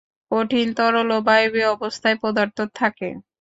কঠিন, তরল ও বায়বীয় অবস্থায় পদার্থ থাকে।